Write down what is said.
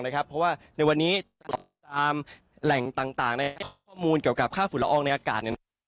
เพราะว่าในวันนี้ตามแหล่งต่างในข้อมูลเกี่ยวกับค่าฝุ่นละอองในอากาศ